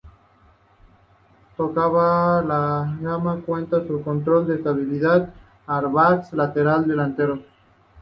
Toda la gama cuenta con control de estabilidad, airbags laterales delanteros.